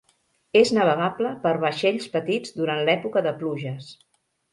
És navegable per vaixells petits durant l'època de pluges.